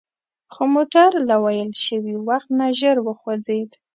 خو موټر له ویل شوي وخت نه ژر وخوځید.